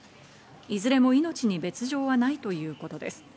いずれも命に別条はないということです。